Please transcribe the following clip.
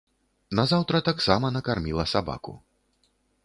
Назаўтра таксама накарміла сабаку.